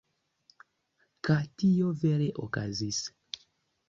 Ka tio vere okazis.